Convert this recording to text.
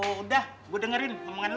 udah gue dengerin omongan lo